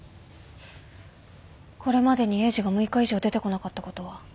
これまでにエイジが６日以上出てこなかったことは？